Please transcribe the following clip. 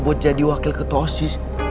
buat jadi wakil ketosis